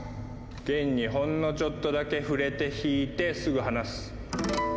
弦にほんのちょっとだけ触れて弾いてすぐ離す！